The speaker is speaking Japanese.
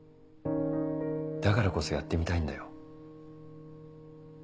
だからこそやってみたいんだよ。